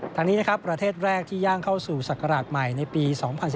ทางนี้นะครับประเทศแรกที่ย่างเข้าสู่ศักราชใหม่ในปี๒๐๑๙